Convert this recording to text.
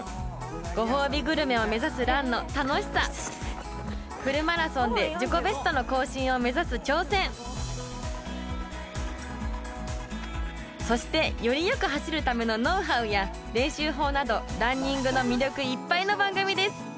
ご褒美グルメを目指すランの楽しさフルマラソンで自己ベストの更新を目指す挑戦そしてよりよく走るためのノウハウや練習法などランニングの魅力いっぱいの番組です